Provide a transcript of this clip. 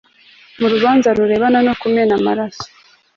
m urubanza rurebana no kumena amaraso